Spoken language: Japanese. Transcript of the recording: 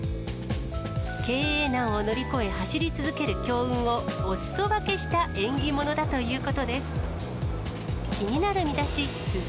経営難を乗り越え、走り続ける強運をおすそ分けした縁起物だということです。